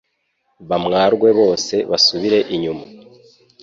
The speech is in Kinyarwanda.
bamwarwe bose basubire inyuma